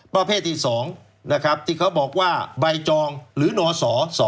ประเภทที่๒นะครับที่เขาบอกว่าใบจองหรือนศ๒๕๖